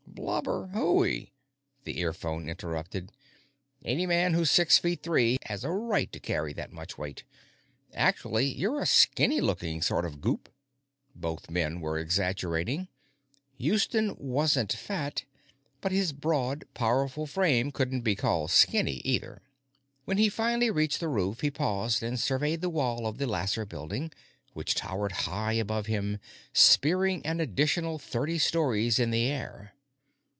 "Blubber, hooey!" the earphone interrupted. "Any man who's six feet three has a right to carry that much weight. Actually, you're a skinny looking sort of goop." Both men were exaggerating; Houston wasn't fat, but his broad, powerful frame couldn't be called skinny, either. When he finally reached the roof, he paused and surveyed the wall of the Lasser Building, which towered high above him, spearing an additional thirty stories in the air.